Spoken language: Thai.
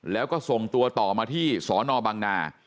แล้วก็ส่งตัวต่อมาที่สนบังนา